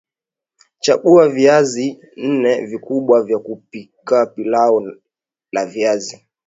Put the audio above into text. Chagua viazi nne vikubwa vya kupika pilau la viazi